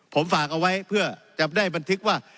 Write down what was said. ผมฝากเอาไว้เพื่อจะได้บันทึกว่า